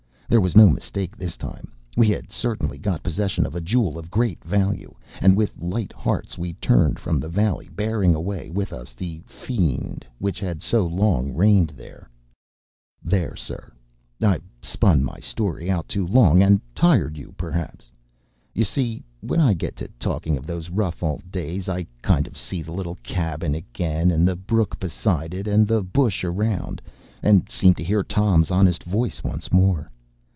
There was no mistake this time; we had certainly got possession of a jewel of great value; and with light hearts we turned from the valley, bearing away with us the “fiend” which had so long reigned there. There, sir; I’ve spun my story out too long, and tired you perhaps. You see, when I get talking of those rough old days, I kind of see the little cabin again, and the brook beside it, and the bush around, and seem to hear Tom’s honest voice once more.